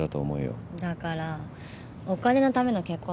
だからお金のための結婚なんて。